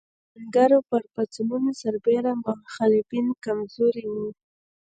کروندګرو پر پاڅونونو سربېره مخالفین کم زوري وو.